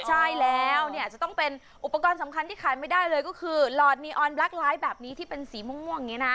ใช่แล้วเนี่ยจะต้องเป็นอุปกรณ์สำคัญที่ขายไม่ได้เลยก็คือหลอดนีออนบลักไลฟ์แบบนี้ที่เป็นสีม่วงอย่างนี้นะ